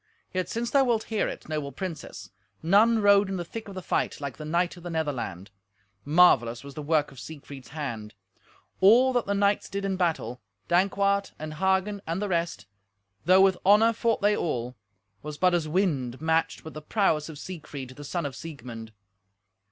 Yet since thou wilt hear it, noble princess, none rode in the thick of the fight like the knight of the Netherland. Marvellous was the work of Siegfried's hand. All that the knights did in battle—Dankwart and Hagen and the rest—though with honour fought they all, was but as a wind matched with the prowess of Siegfried, the son of Siegmund.